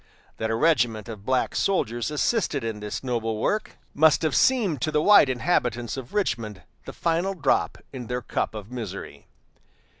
That a regiment of black soldiers assisted in this noble work must have seemed to the white inhabitants of Richmond the final drop in their cup of misery.